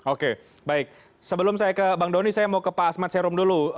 oke baik sebelum saya ke bang doni saya mau ke pak asmat serum dulu